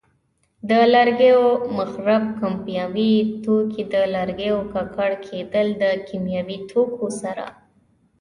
د لرګیو مخرب کیمیاوي توکي: د لرګیو ککړ کېدل له کیمیاوي توکو سره.